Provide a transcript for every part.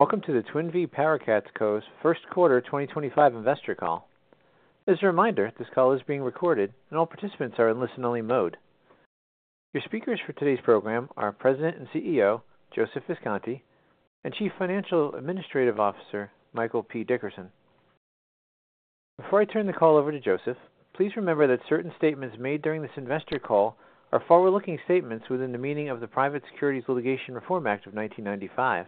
Welcome to the Twin Vee PowerCats Ryan McLeod, First Quarter 2025 Investor Call. As a reminder, this call is being recorded and all participants are in listen-only mode. Your speakers for today's program are President and CEO, Joseph Visconti, and Chief Financial and Administrative Officer, Michael P. Dickerson. Before I turn the call over to Joseph, please remember that certain statements made during this investor call are forward-looking statements within the meaning of the Private Securities Litigation Reform Act of 1995.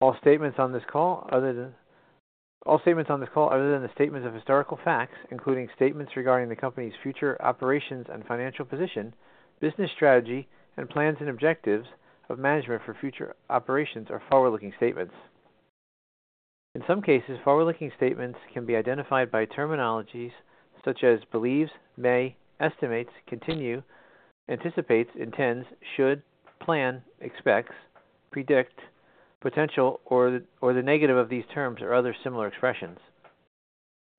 All statements on this call, other than the statements of historical facts, including statements regarding the company's future operations and financial position, business strategy, and plans and objectives of management for future operations, are forward-looking statements. In some cases, forward-looking statements can be identified by terminologies such as believes, may, estimates, continue, anticipates, intends, should, plan, expects, predict, potential, or the negative of these terms or other similar expressions.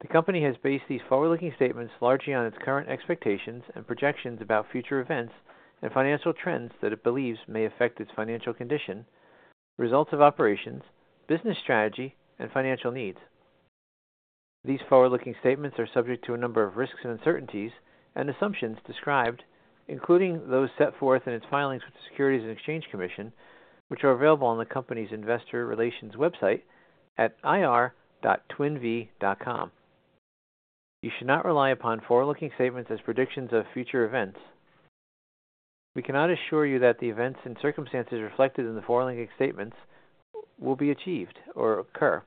The company has based these forward-looking statements largely on its current expectations and projections about future events and financial trends that it believes may affect its financial condition, results of operations, business strategy, and financial needs. These forward-looking statements are subject to a number of risks and uncertainties and assumptions described, including those set forth in its filings with the Securities and Exchange Commission, which are available on the company's investor relations website at ir.twinvee.com. You should not rely upon forward-looking statements as predictions of future events. We cannot assure you that the events and circumstances reflected in the forward-looking statements will be achieved or occur.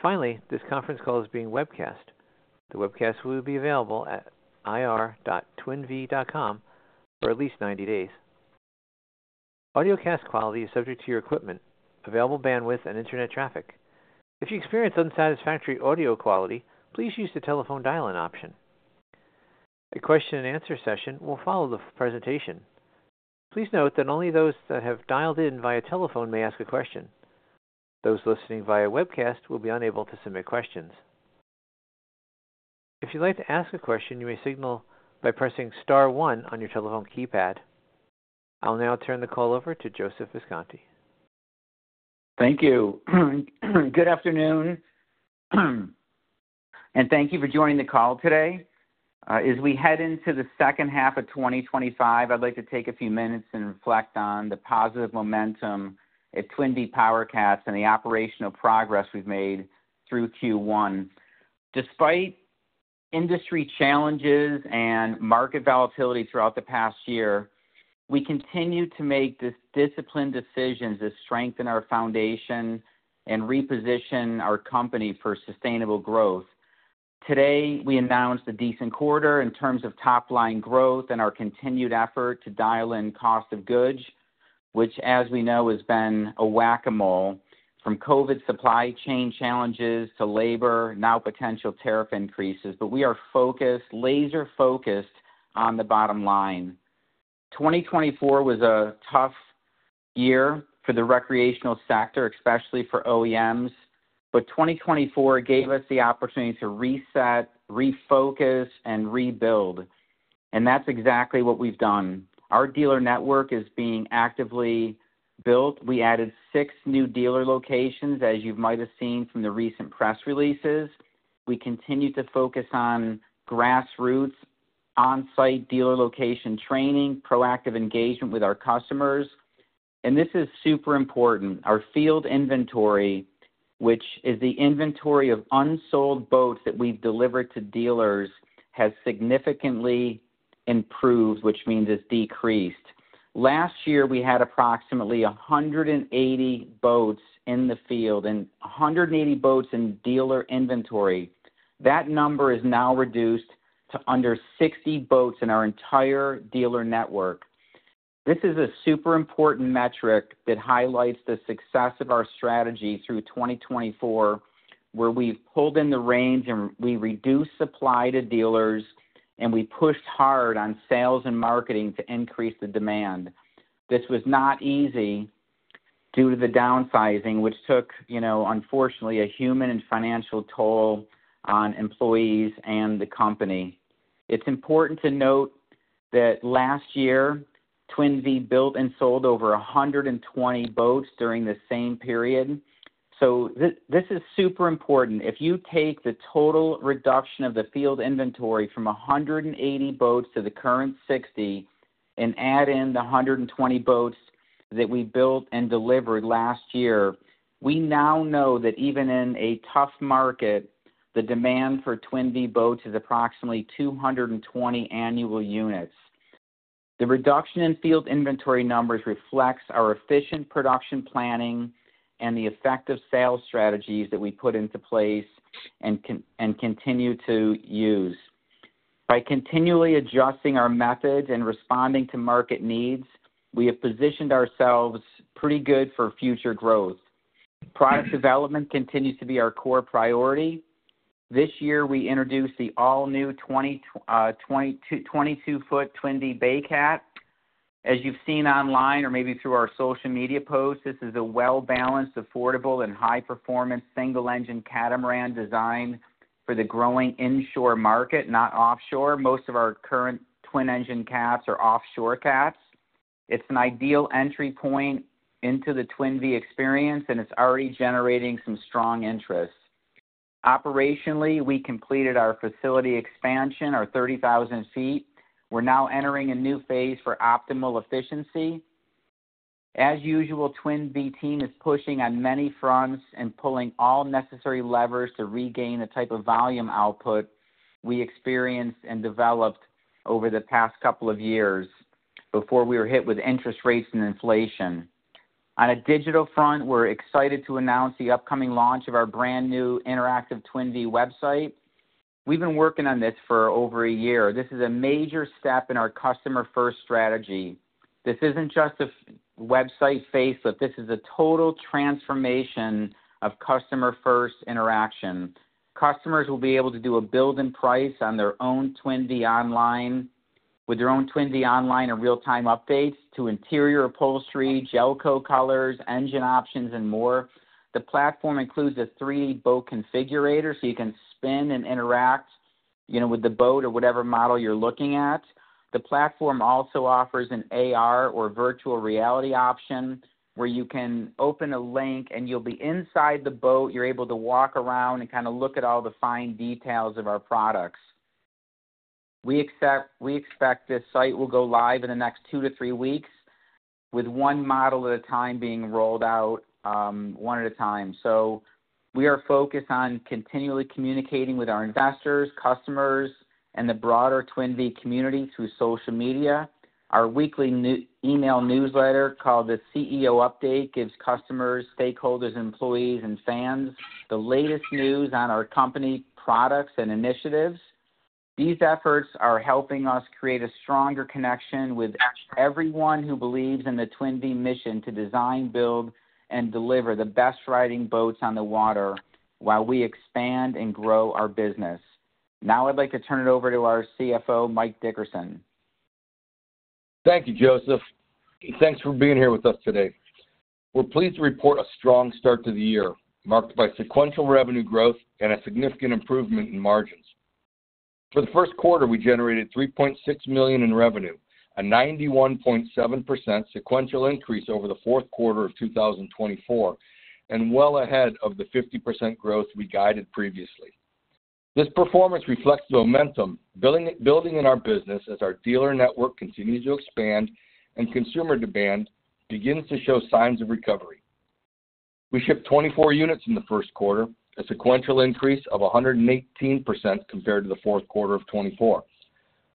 Finally, this conference call is being webcast. The webcast will be available at ir.twinvee.com for at least 90 days. Audio cast quality is subject to your equipment, available bandwidth, and internet traffic. If you experience unsatisfactory audio quality, please use the telephone dial-in option. A question-and-answer session will follow the presentation. Please note that only those that have dialed in via telephone may ask a question. Those listening via webcast will be unable to submit questions. If you'd like to ask a question, you may signal by pressing star one on your telephone keypad. I'll now turn the call over to Joseph Visconti. Thank you. Good afternoon, and thank you for joining the call today. As we head into the second half of 2025, I'd like to take a few minutes and reflect on the positive momentum at Twin Vee PowerCats and the operational progress we've made through Q1. Despite industry challenges and market volatility throughout the past year, we continue to make disciplined decisions that strengthen our foundation and reposition our company for sustainable growth. Today, we announced a decent quarter in terms of top-line growth and our continued effort to dial in cost of goods, which, as we know, has been a whack-a-mole, from COVID supply chain challenges to labor, now potential tariff increases. We are focused, laser-focused on the bottom line. 2024 was a tough year for the recreational sector, especially for OEMs, but 2024 gave us the opportunity to reset, refocus, and rebuild, and that's exactly what we've done. Our dealer network is being actively built. We added six new dealer locations, as you might have seen from the recent press releases. We continue to focus on grassroots, on-site dealer location training, proactive engagement with our customers, and this is super important. Our field inventory, which is the inventory of unsold boats that we've delivered to dealers, has significantly improved, which means it's decreased. Last year, we had approximately 180 boats in the field and 180 boats in dealer inventory. That number is now reduced to under 60 boats in our entire dealer network. This is a super important metric that highlights the success of our strategy through 2024, where we've pulled in the range and we reduced supply to dealers, and we pushed hard on sales and marketing to increase the demand. This was not easy due to the downsizing, which took, unfortunately, a human and financial toll on employees and the company. It's important to note that last year, Twin Vee built and sold over 120 boats during the same period. This is super important. If you take the total reduction of the field inventory from 180 boats to the current 60 and add in the 120 boats that we built and delivered last year, we now know that even in a tough market, the demand for Twin Vee boats is approximately 220 annual units. The reduction in field inventory numbers reflects our efficient production planning and the effective sales strategies that we put into place and continue to use. By continually adjusting our methods and responding to market needs, we have positioned ourselves pretty good for future growth. Product development continues to be our core priority. This year, we introduced the all-new 22-foot Twin Vee Bay Cat. As you've seen online or maybe through our social media posts, this is a well-balanced, affordable, and high-performance single-engine catamaran designed for the growing inshore market, not offshore. Most of our current twin-engine cats are offshore cats. It's an ideal entry point into the Twin Vee experience, and it's already generating some strong interest. Operationally, we completed our facility expansion, our 30,000 sq ft. We're now entering a new phase for optimal efficiency. As usual, the Twin Vee team is pushing on many fronts and pulling all necessary levers to regain the type of volume output we experienced and developed over the past couple of years before we were hit with interest rates and inflation. On a digital front, we're excited to announce the upcoming launch of our brand new interactive Twin Vee website. We've been working on this for over a year. This is a major step in our customer-first strategy. This isn't just a website facelift. This is a total transformation of customer-first interaction. Customers will be able to do a build and price on their own Twin Vee online with their own Twin Vee online and real-time updates to interior upholstery, gelcoat colors, engine options, and more. The platform includes a 3D boat configurator, so you can spin and interact with the boat or whatever model you're looking at. The platform also offers an AR or virtual reality option where you can open a link, and you'll be inside the boat. You're able to walk around and kind of look at all the fine details of our products. We expect this site will go live in the next two to three weeks, with one model at a time being rolled out, one at a time. We are focused on continually communicating with our investors, customers, and the broader Twin Vee community through social media. Our weekly email newsletter called the CEO Update gives customers, stakeholders, employees, and fans the latest news on our company products and initiatives. These efforts are helping us create a stronger connection with everyone who believes in the Twin Vee mission to design, build, and deliver the best riding boats on the water while we expand and grow our business. Now I'd like to turn it over to our CFO, Michael P. Dickerson. Thank you, Joseph. Thanks for being here with us today. We're pleased to report a strong start to the year marked by sequential revenue growth and a significant improvement in margins. For the first quarter, we generated $3.6 million in revenue, a 91.7% sequential increase over the fourth quarter of 2024, and well ahead of the 50% growth we guided previously. This performance reflects the momentum building in our business as our dealer network continues to expand and consumer demand begins to show signs of recovery. We shipped 24 units in the first quarter, a sequential increase of 118% compared to the fourth quarter of 2024.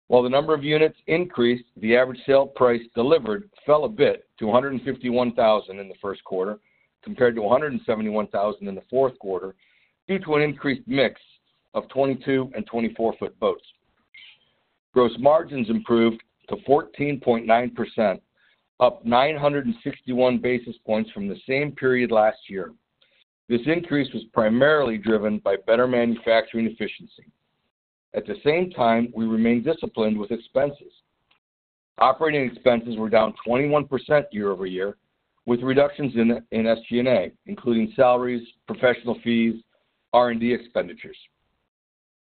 While the number of units increased, the average sale price delivered fell a bit to $151,000 in the first quarter compared to $171,000 in the fourth quarter due to an increased mix of 22 and 24-foot boats. Gross margins improved to 14.9%, up 961 basis points from the same period last year. This increase was primarily driven by better manufacturing efficiency. At the same time, we remained disciplined with expenses. Operating expenses were down 21% year over year with reductions in SG&A, including salaries, professional fees, R&D expenditures.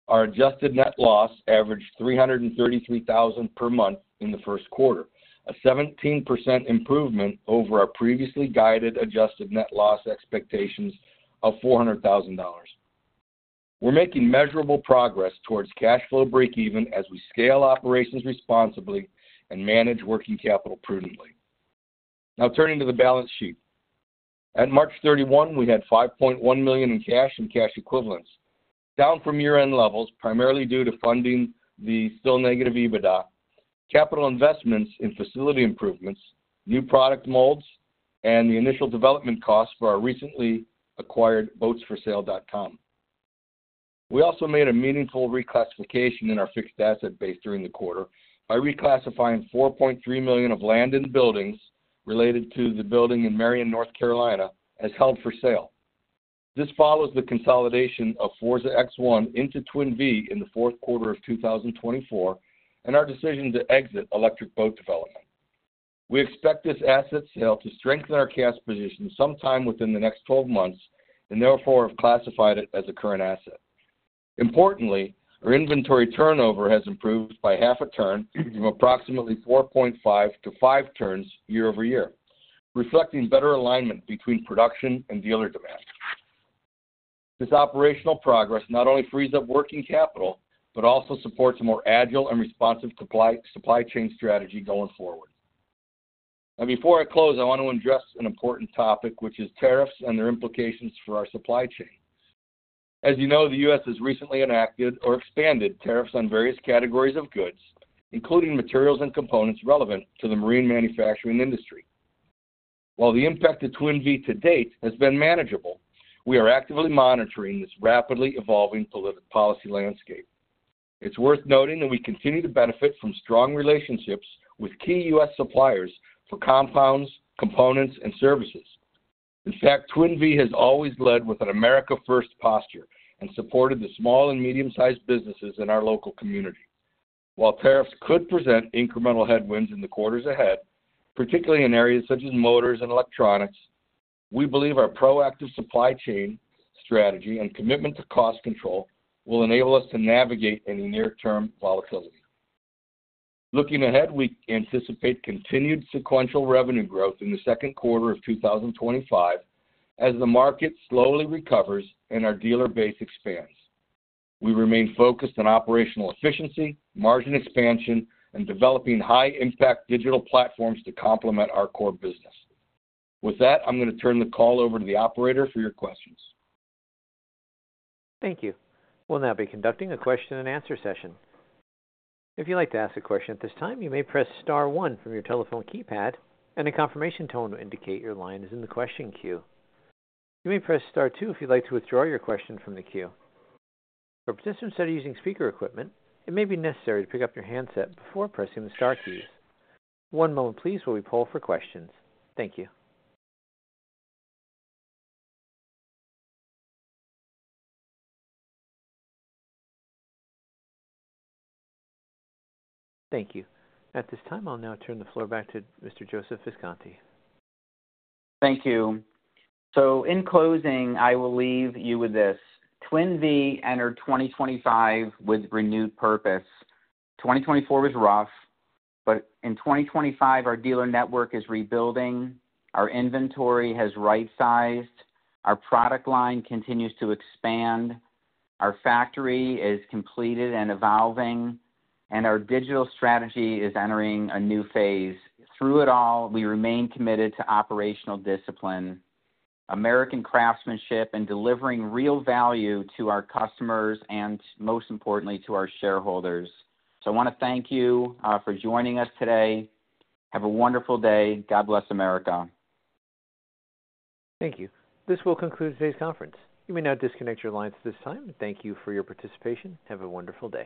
Our adjusted net loss averaged $333,000 per month in the first quarter, a 17% improvement over our previously guided adjusted net loss expectations of $400,000. We're making measurable progress towards cash flow break-even as we scale operations responsibly and manage working capital prudently. Now turning to the balance sheet. At March 31, we had $5.1 million in cash and cash equivalents, down from year-end levels primarily due to funding the still negative EBITDA, capital investments in facility improvements, new product molds, and the initial development costs for our recently acquired boatsforsale.com. We also made a meaningful reclassification in our fixed asset base during the quarter by reclassifying $4.3 million of land and buildings related to the building in Marion, North Carolina, as held for sale. This follows the consolidation of Forza X1 into Twin Vee in the fourth quarter of 2024 and our decision to exit electric boat development. We expect this asset sale to strengthen our cash position sometime within the next 12 months and therefore have classified it as a current asset. Importantly, our inventory turnover has improved by half a turn from approximately 4.5 to five turns year over year, reflecting better alignment between production and dealer demand. This operational progress not only frees up working capital, but also supports a more agile and responsive supply chain strategy going forward. Now, before I close, I want to address an important topic, which is tariffs and their implications for our supply chain. As you know, the U.S. has recently enacted or expanded tariffs on various categories of goods, including materials and components relevant to the marine manufacturing industry. While the impact to Twin Vee to date has been manageable, we are actively monitoring this rapidly evolving political policy landscape. It's worth noting that we continue to benefit from strong relationships with key U.S. suppliers for compounds, components, and services. In fact, Twin Vee has always led with an America-first posture and supported the small and medium-sized businesses in our local community. While tariffs could present incremental headwinds in the quarters ahead, particularly in areas such as motors and electronics, we believe our proactive supply chain strategy and commitment to cost control will enable us to navigate any near-term volatility. Looking ahead, we anticipate continued sequential revenue growth in the second quarter of 2025 as the market slowly recovers and our dealer base expands. We remain focused on operational efficiency, margin expansion, and developing high-impact digital platforms to complement our core business. With that, I'm going to turn the call over to the operator for your questions. Thank you. We'll now be conducting a question-and-answer session. If you'd like to ask a question at this time, you may press star one from your telephone keypad, and a confirmation tone will indicate your line is in the question queue. You may press star two if you'd like to withdraw your question from the queue. For participants that are using speaker equipment, it may be necessary to pick up your handset before pressing the star keys. One moment, please, while we pull for questions. Thank you. Thank you. At this time, I'll now turn the floor back to Mr. Joseph Visconti. Thank you. In closing, I will leave you with this: Twin Vee entered 2025 with renewed purpose. 2024 was rough, but in 2025, our dealer network is rebuilding. Our inventory has right-sized. Our product line continues to expand. Our factory is completed and evolving, and our digital strategy is entering a new phase. Through it all, we remain committed to operational discipline, American craftsmanship, and delivering real value to our customers and, most importantly, to our shareholders. I want to thank you for joining us today. Have a wonderful day. God bless America. Thank you. This will conclude today's conference. You may now disconnect your lines at this time. Thank you for your participation. Have a wonderful day.